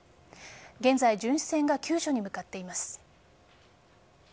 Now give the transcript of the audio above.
現在、巡視船が救助に向かっています。